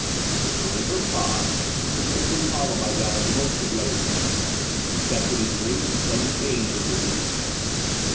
The surrender of Prague, which was quickly followed by that of most of the other towns, effected a great and sudden change in Bohemia.